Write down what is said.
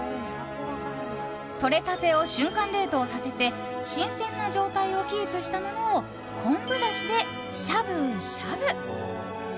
とれたてを瞬間冷凍させて新鮮な状態をキープしたものを昆布だしで、しゃぶしゃぶ。